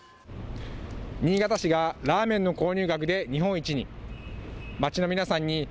新潟市がラーメンの購入額で日本一に。